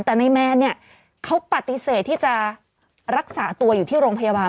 แต่นายแมนเนี่ยเขาปฏิเสธที่จะรักษาตัวอยู่ที่โรงพยาบาล